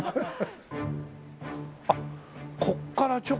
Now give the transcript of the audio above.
あっここから直。